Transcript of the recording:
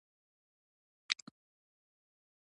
هر چا د خپل استعداد په اندازه ګټه اخیستله.